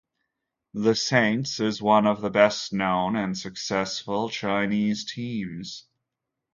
The Saints is one of the best known and successful Chinese teams.